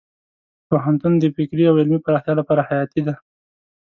پوهنتون د فکري او علمي پراختیا لپاره حیاتي دی.